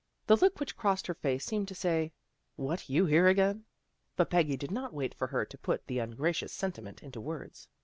The look which crossed her face seemed to say, " What, you here again? " but Peggy did not wait for her to put the ungra cious sentiment into words.